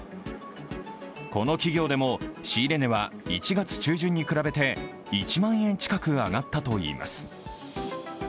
この企業でも仕入れ値は１月中旬に比べて１万円近く上がったといいます。